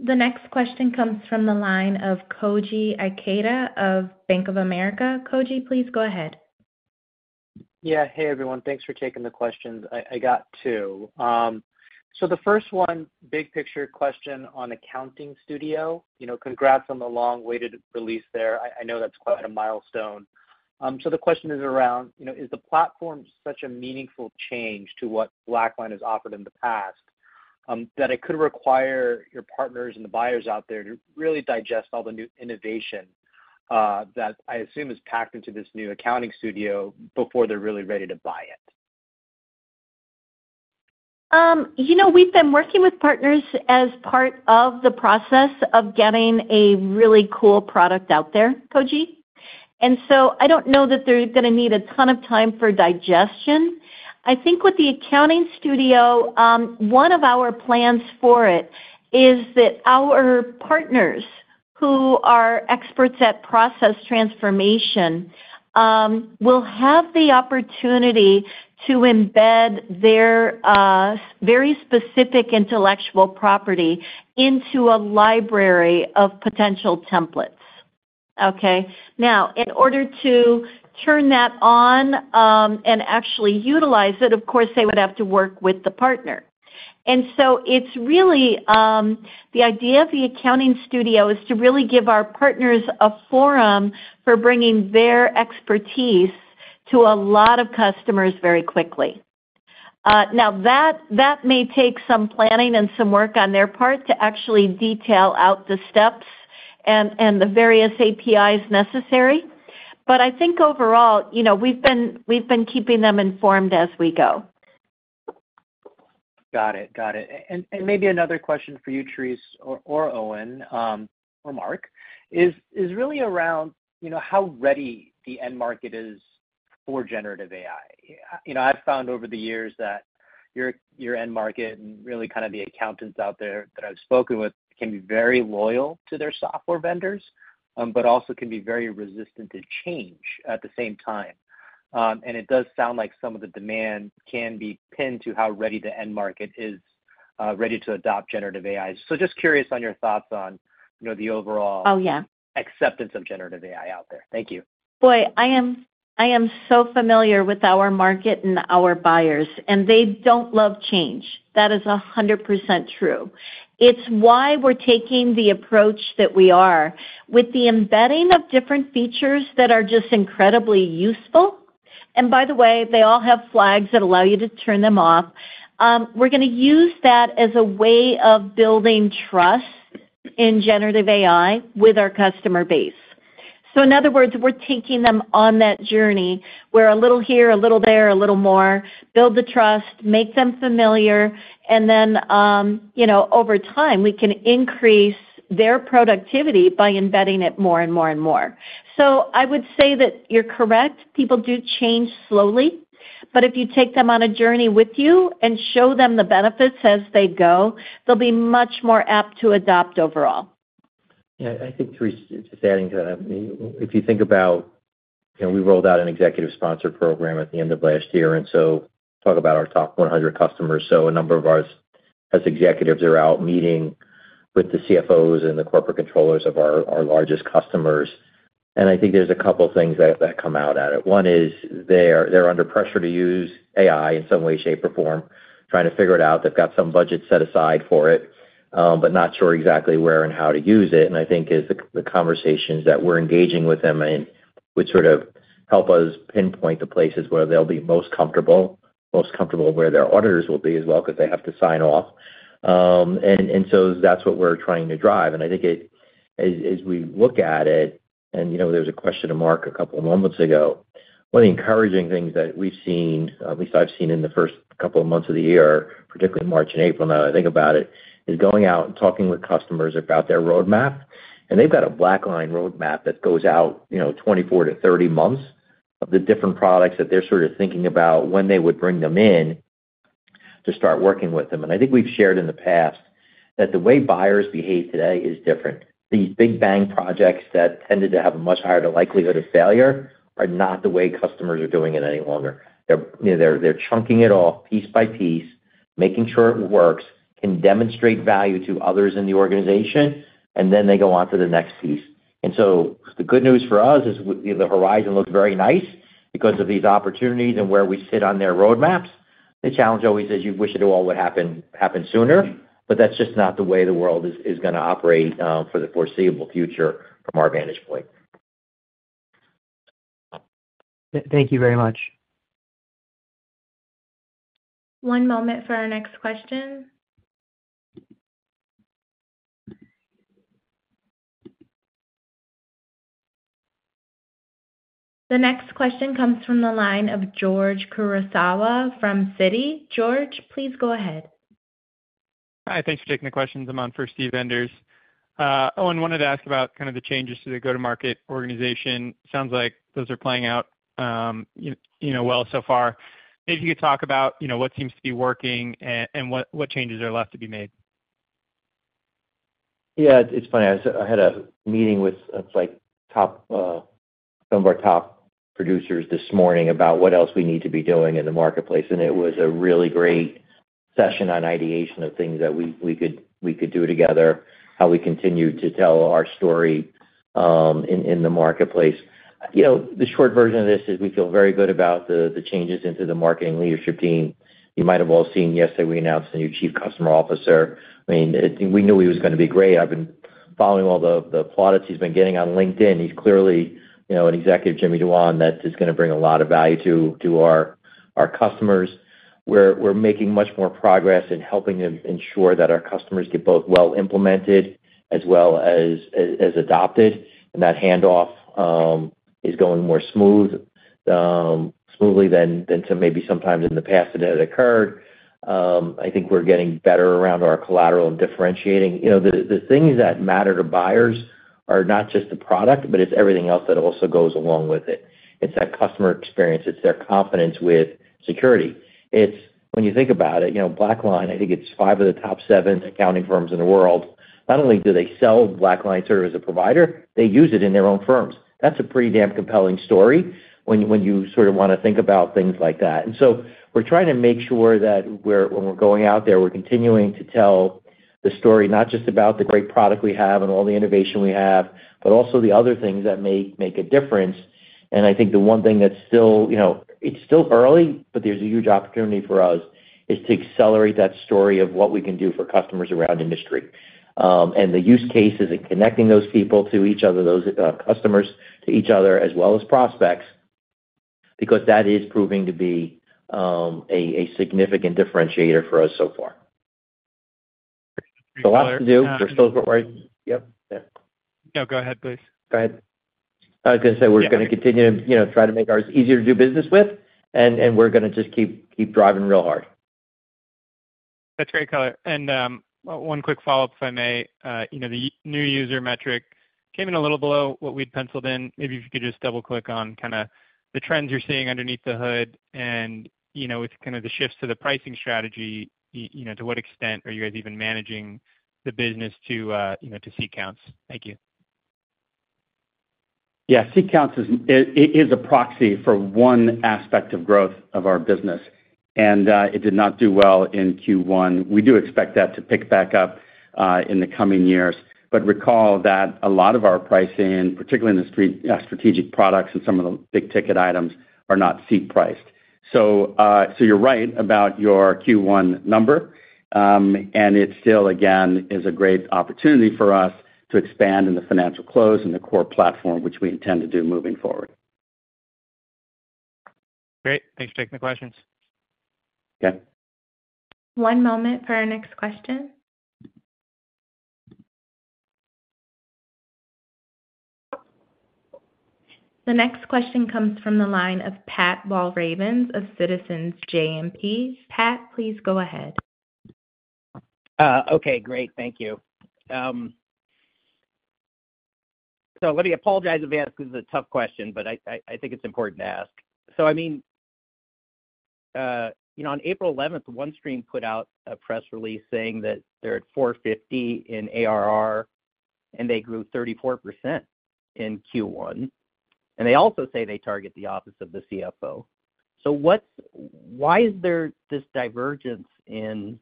S5: The next question comes from the line of Koji Ikeda of Bank of America. Koji, please go ahead.
S11: Yeah. Hey, everyone, thanks for taking the questions. I got two. So the first one, big picture question on Accounting Studio. You know, congrats on the long-awaited release there. I know that's quite a milestone. So the question is around, you know, is the platform such a meaningful change to what BlackLine has offered in the past, that it could require your partners and the buyers out there to really digest all the new innovation, that I assume is packed into this new Accounting Studio before they're really ready to buy it?
S3: You know, we've been working with partners as part of the process of getting a really cool product out there, Koji. And so I don't know that they're gonna need a ton of time for digestion. I think with the Accounting Studio, one of our plans for it is that our partners, who are experts at process transformation, will have the opportunity to embed their very specific intellectual property into a library of potential templates. Okay? Now, in order to turn that on, and actually utilize it, of course, they would have to work with the partner. And so it's really the idea of the Accounting Studio is to really give our partners a forum for bringing their expertise to a lot of customers very quickly. Now that may take some planning and some work on their part to actually detail out the steps and the various APIs necessary, but I think overall, you know, we've been keeping them informed as we go.
S11: Got it. Got it. And maybe another question for you, Therese or Owen or Mark, is really around, you know, how ready the end market is for generative AI. You know, I've found over the years that your end market and really kind of the accountants out there that I've spoken with can be very loyal to their software vendors, but also can be very resistant to change at the same time. And it does sound like some of the demand can be pinned to how ready the end market is ready to adopt generative AI. So just curious on your thoughts on, you know, the overall- Oh, yeah acceptance of generative AI out there. Thank you.
S3: Boy, I am, I am so familiar with our market and our buyers, and they don't love change. That is 100% true. It's why we're taking the approach that we are. With the embedding of different features that are just incredibly useful, and by the way, they all have flags that allow you to turn them off, we're gonna use that as a way of building trust in generative AI with our customer base. So in other words, we're taking them on that journey, where a little here, a little there, a little more, build the trust, make them familiar, and then, you know, over time, we can increase their productivity by embedding it more and more and more. I would say that you're correct, people do change slowly, but if you take them on a journey with you and show them the benefits as they go, they'll be much more apt to adopt overall.
S2: Yeah, I think, Therese, just adding to that, if you think about, you know, we rolled out an executive sponsor program at the end of last year, and so talk about our top 100 customers. So a number of our executives are out meeting with the CFOs and the corporate controllers of our largest customers. And I think there's a couple things that come out of it. One is they're under pressure to use AI in some way, shape, or form, trying to figure it out. They've got some budget set aside for it, but not sure exactly where and how to use it. And I think it's the conversations that we're engaging with them and would sort of help us pinpoint the places where they'll be most comfortable, most comfortable where their auditors will be as well, 'cause they have to sign off. And so that's what we're trying to drive. And I think it... As we look at it... And, you know, there was a question to Mark a couple of moments ago. One of the encouraging things that we've seen, at least I've seen in the first couple of months of the year, particularly March and April, now that I think about it, is going out and talking with customers about their roadmap. And they've got a BlackLine roadmap that goes out, you know, 24-30 months of the different products that they're sort of thinking about when they would bring them in to start working with them. And I think we've shared in the past that the way buyers behave today is different. These big bang projects that tended to have a much higher likelihood of failure are not the way customers are doing it any longer. They're, you know, chunking it off piece by piece, making sure it works, can demonstrate value to others in the organization, and then they go on to the next piece. And so the good news for us is the horizon looks very nice because of these opportunities and where we sit on their roadmaps. The challenge always is you wish it all would happen sooner, but that's just not the way the world is gonna operate for the foreseeable future from our vantage point.
S11: Thank you very much.
S5: One moment for our next question. The next question comes from the line of George Kurosawa from Citi. George, please go ahead.
S12: Hi, thanks for taking the questions. I'm on for Steve Enders. Owen, wanted to ask about kind of the changes to the go-to-market organization. Sounds like those are playing out, you know, well, so far. Maybe you could talk about, you know, what seems to be working and what changes are left to be made?
S2: Yeah, it's funny. I had a meeting with, it's like, top, some of our top producers this morning about what else we need to be doing in the marketplace, and it was a really great session on ideation of things that we, we could, we could do together, how we continue to tell our story, in, in the marketplace. You know, the short version of this is we feel very good about the, the changes into the marketing leadership team. You might have all seen yesterday, we announced a new Chief Customer Officer. I mean, we knew he was gonna be great. I've been following all the, the plaudits he's been getting on LinkedIn. He's clearly, you know, an executive, Jimmy Duan, that is gonna bring a lot of value to, to our, our customers. We're making much more progress in helping them ensure that our customers get both well implemented as well as adopted, and that handoff is going more smoothly than some maybe sometimes in the past it had occurred. I think we're getting better around our collateral and differentiating. You know, the things that matter to buyers are not just the product, but it's everything else that also goes along with it. It's that customer experience, it's their confidence with security. It's when you think about it, you know, BlackLine, I think it's five of the top seven accounting firms in the world. Not only do they sell BlackLine service as a provider, they use it in their own firms. That's a pretty damn compelling story when you sort of wanna think about things like that. And so we're trying to make sure that when we're going out there, we're continuing to tell the story, not just about the great product we have and all the innovation we have, but also the other things that make a difference. And I think the one thing that's still, you know, it's still early, but there's a huge opportunity for us, is to accelerate that story of what we can do for customers around industry. And the use cases and connecting those people to each other, those customers to each other, as well as prospects, because that is proving to be a significant differentiator for us so far. There's a lot to do. We're still right. Yep.
S12: No, go ahead, please.
S2: Go ahead. I was gonna say we're gonna continue, you know, try to make ours easier to do business with, and we're gonna just keep driving real hard.
S12: That's great color. And, one quick follow-up, if I may. You know, the new user metric came in a little below what we'd penciled in. Maybe if you could just double-click on kind of the trends you're seeing underneath the hood and, you know, with kind of the shifts to the pricing strategy, you know, to what extent are you guys even managing the business to, you know, to seat counts? Thank you.
S2: Yeah, seat counts is a proxy for one aspect of growth of our business, and it did not do well in Q1. We do expect that to pick back up in the coming years. But recall that a lot of our pricing, particularly in the strategic products and some of the big ticket items, are not seat priced. So, so you're right about your Q1 number, and it still, again, is a great opportunity for us to expand in the financial close and the core platform, which we intend to do moving forward.
S12: Great. Thanks for taking the questions.
S2: Okay.
S5: One moment for our next question. The next question comes from the line of Pat Walravens of Citizens JMP. Pat, please go ahead.
S13: Okay, great. Thank you. So let me apologize if I ask, this is a tough question, but I think it's important to ask. So I mean, you know, on April 11, OneStream put out a press release saying that they're at 450 in ARR, and they grew 34% in Q1. And they also say they target the office of the CFO. So what's—why is there this divergence in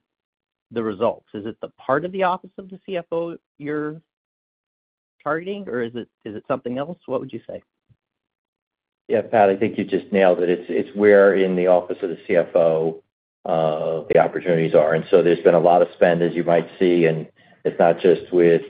S13: the results? Is it the part of the office of the CFO you're targeting, or is it something else? What would you say?
S2: Yeah, Pat, I think you just nailed it. It's where in the office of the CFO the opportunities are. And so there's been a lot of spend, as you might see, and it's not just with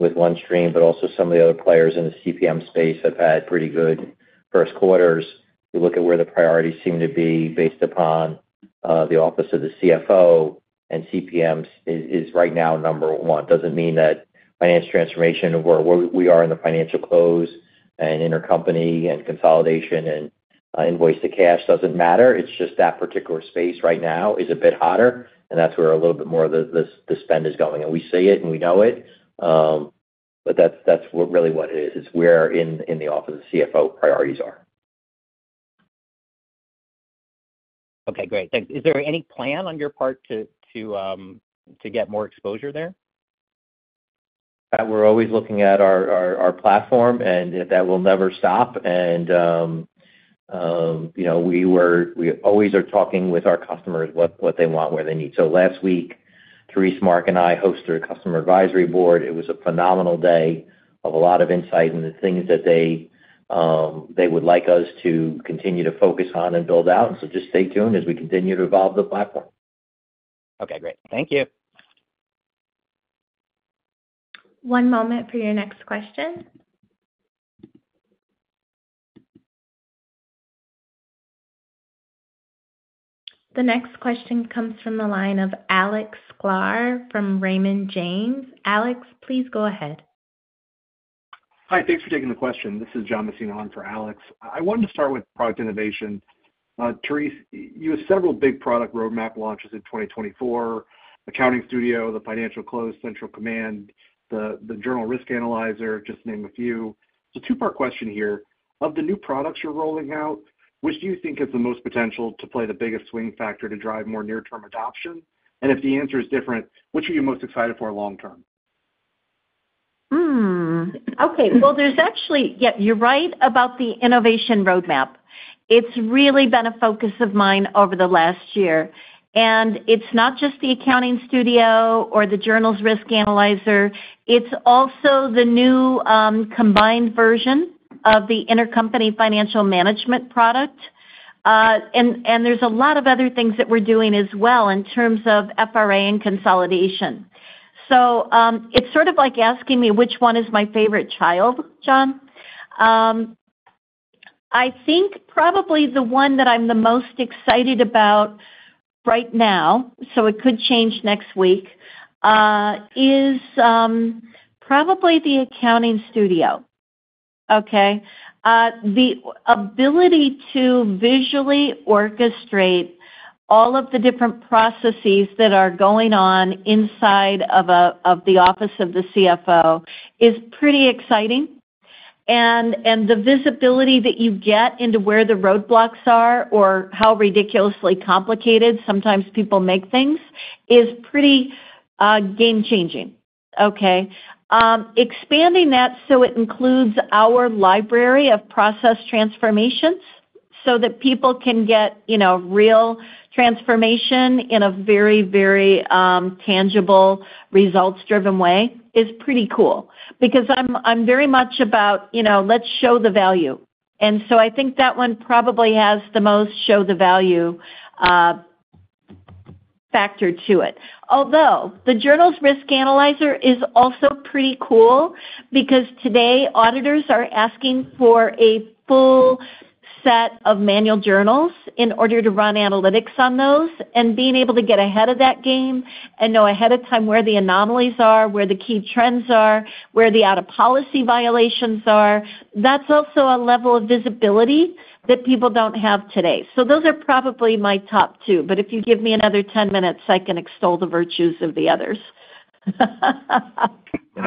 S2: OneStream, but also some of the other players in the CPM space have had pretty good first quarters. You look at where the priorities seem to be based upon the office of the CFO and CPMs is right now number one. Doesn't mean that financial transformation and where we are in the financial close and intercompany and consolidation and invoice to cash doesn't matter. It's just that particular space right now is a bit hotter, and that's where a little bit more of the spend is going. We see it and we know it, but that's really what it is, where priorities are in the office of the CFO.
S13: Okay, great. Thanks. Is there any plan on your part to get more exposure there?
S2: We're always looking at our platform, and that will never stop. And, you know, we always are talking with our customers what they want, where they need. So last week, Therese, Mark, and I hosted a customer advisory board. It was a phenomenal day of a lot of insight and the things that they would like us to continue to focus on and build out. So just stay tuned as we continue to evolve the platform.
S13: Okay, great. Thank you.
S5: One moment for your next question. The next question comes from the line of Alex Sklar from Raymond James. Alex, please go ahead.
S14: Hi, thanks for taking the question. This is John Messina on for Alex. I wanted to start with product innovation. Therese, you have several big product roadmap launches in 2024: Accounting Studio, the Financial Close Command Center the Journal Risk Analyzer, just to name a few. So two-part question here. Of the new products you're rolling out, which do you think has the most potential to play the biggest swing factor to drive more near-term adoption? And if the answer is different, which are you most excited for long term?
S3: Okay, well, there's actually—yeah, you're right about the innovation roadmap. It's really been a focus of mine over the last year, and it's not just the Accounting Studio or the Journal Risk Analyzer, it's also the new, combined version of the Intercompany Financial Management product. And there's a lot of other things that we're doing as well in terms of FRA and consolidation. So, it's sort of like asking me which one is my favorite child, John. I think probably the one that I'm the most excited about right now, so it could change next week, is probably the Accounting Studio. Okay? The ability to visually orchestrate all of the different processes that are going on inside of the office of the CFO is pretty exciting. And the visibility that you get into where the roadblocks are or how ridiculously complicated sometimes people make things is pretty game changing. Okay. Expanding that so it includes our library of process transformations so that people can get, you know, real transformation in a very, very tangible, results-driven way is pretty cool. Because I'm very much about, you know, let's show the value. And so I think that one probably has the most show the value factor to it. Although, the Journal Risk Analyzer is also pretty cool because today, auditors are asking for a full set of manual journals in order to run analytics on those, and being able to get ahead of that game and know ahead of time where the anomalies are, where the key trends are, where the out-of-policy violations are, that's also a level of visibility that people don't have today. So those are probably my top two, but if you give me another 10 minutes, I can extol the virtues of the others.
S2: We've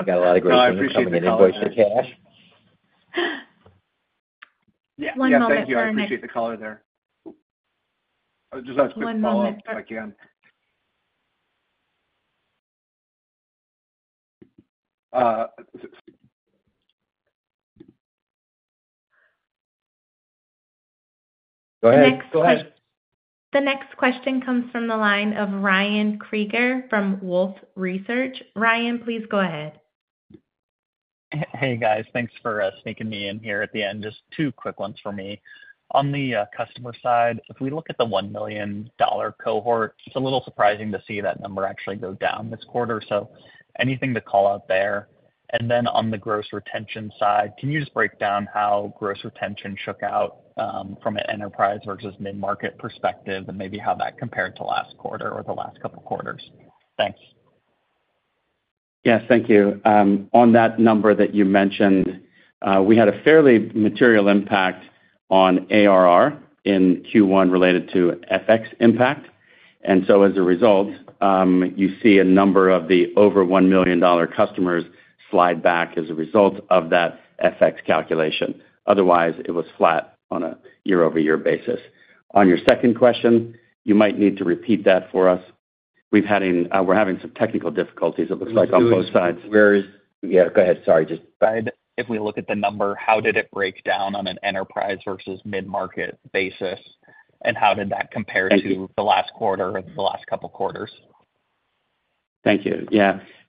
S2: got a lot of great things coming in Invoice-to-Cash.
S14: Yeah, thank you. I appreciate the color there.
S5: One moment.
S14: I just ask a quick follow-up, if I can.
S5: One moment.
S14: Uh...
S2: Go ahead. Go ahead.
S5: The next question comes from the line of Ryan Krieger from Wolfe Research. Ryan, please go ahead.
S15: Hey, guys. Thanks for sneaking me in here at the end. Just two quick ones for me. On the customer side, if we look at the $1 million cohort, it's a little surprising to see that number actually go down this quarter. So anything to call out there? And then on the gross retention side, can you just break down how gross retention shook out from an enterprise versus mid-market perspective, and maybe how that compared to last quarter or the last couple of quarters? Thanks.
S2: Yes, thank you. On that number that you mentioned, we had a fairly material impact on ARR in Q1 related to FX impact. And so as a result, you see a number of the over $1 million customers slide back as a result of that FX calculation. Otherwise, it was flat on a year-over-year basis. On your second question, you might need to repeat that for us. We're having some technical difficulties, it looks like, on both sides.
S15: Where is-
S2: Yeah, go ahead. Sorry, just-
S15: If we look at the number, how did it break down on an enterprise versus mid-market basis, and how did that compare to? Thank you the last quarter or the last couple of quarters?
S2: Thank you.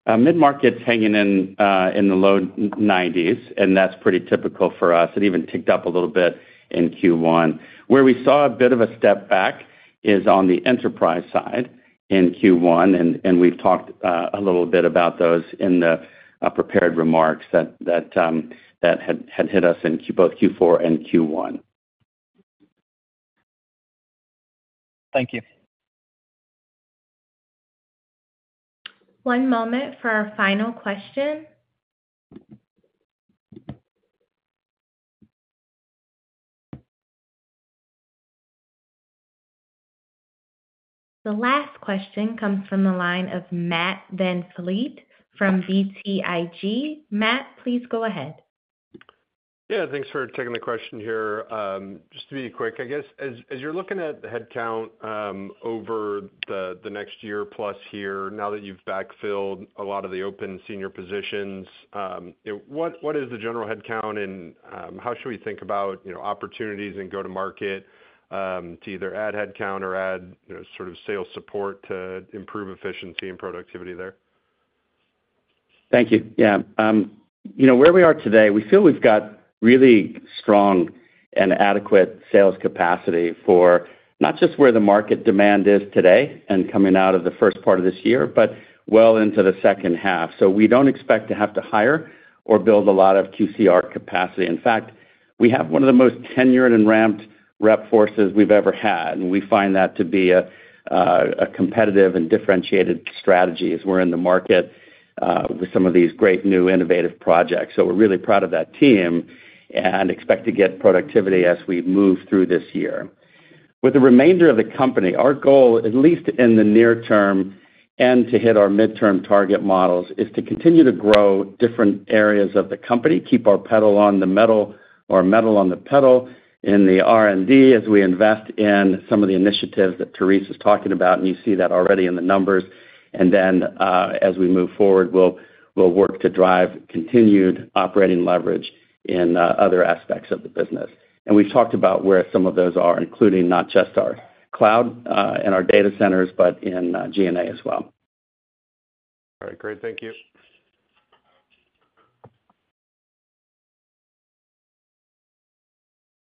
S2: Yeah, mid-market's hanging in the low 90s, and that's pretty typical for us. It even ticked up a little bit in Q1. Where we saw a bit of a step back is on the enterprise side....
S4: in Q1, and we've talked a little bit about those in the prepared remarks that had hit us in both Q4 and Q1.
S15: Thank you.
S5: One moment for our final question. The last question comes from the line of Matt VanVliet from BTIG. Matt, please go ahead.
S16: Yeah, thanks for taking the question here. Just to be quick, I guess, as you're looking at the headcount over the next year plus here, now that you've backfilled a lot of the open senior positions, what is the general headcount, and how should we think about, you know, opportunities and go-to-market to either add headcount or add, you know, sort of sales support to improve efficiency and productivity there?
S4: Thank you. Yeah. You know, where we are today, we feel we've got really strong and adequate sales capacity for not just where the market demand is today and coming out of the first part of this year, but well into the second half. So we don't expect to have to hire or build a lot of QCR capacity. In fact, we have one of the most tenured and ramped rep forces we've ever had, and we find that to be a a competitive and differentiated strategy as we're in the market with some of these great new innovative projects. So we're really proud of that team and expect to get productivity as we move through this year. With the remainder of the company, our goal, at least in the near term, and to hit our midterm target models, is to continue to grow different areas of the company, keep our pedal on the metal or metal on the pedal in the R&D as we invest in some of the initiatives that Therese was talking about, and you see that already in the numbers. And then, as we move forward, we'll work to drive continued operating leverage in other aspects of the business. We've talked about where some of those are, including not just our cloud and our data centers, but in G&A as well.
S16: All right, great. Thank you.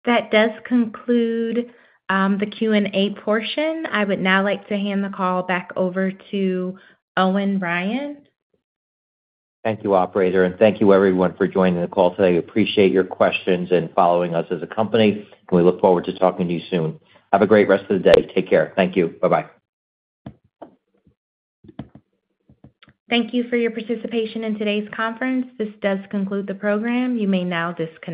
S5: That does conclude the Q&A portion. I would now like to hand the call back over to Owen Ryan.
S2: Thank you, operator, and thank you everyone for joining the call today. We appreciate your questions and following us as a company, and we look forward to talking to you soon. Have a great rest of the day. Take care. Thank you. Bye-bye.
S5: Thank you for your participation in today's conference. This does conclude the program. You may now disconnect.